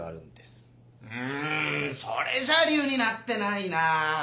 んそれじゃ理由になってないな。